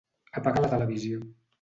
Apaga la televisió.